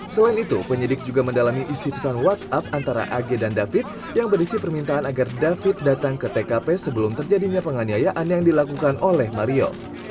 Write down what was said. selain itu penyidik juga mendalami isi pesan whatsapp antara ag dan david yang berisi permintaan agar david datang ke tkp sebelum terjadinya penganiayaan yang dilakukan oleh mario